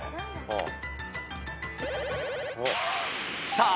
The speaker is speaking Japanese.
［さあ］